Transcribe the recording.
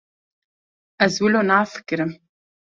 Ez wilo nafikirim.